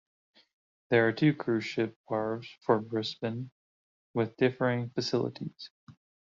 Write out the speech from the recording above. There are two cruise ship wharves for Brisbane, with differing facilities.